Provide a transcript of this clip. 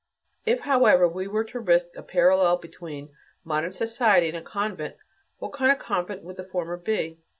If, however, we were to risk a parallel between modern society and a convent, what kind of convent would the former be?